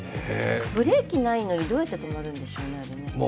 ブレーキないのに、どうやって止まるんでしょうね。